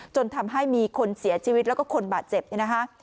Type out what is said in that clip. จนทำให้มีคนเสียชีวิตแล้วก็คนบาดเจ็บเนี่ยนะคะ